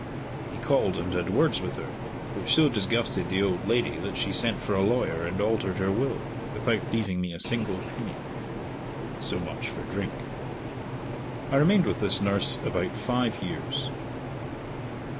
He called and had words with her, which so disgusted the old lady that she sent for a lawyer and altered her will, without leaving me a single penny. (So much for drink.) I remained with this nurse about five years.